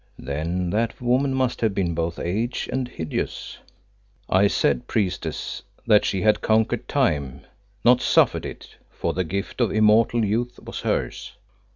"Then that woman must have been both aged and hideous." "I said, Priestess, that she had conquered time, not suffered it, for the gift of immortal youth was hers.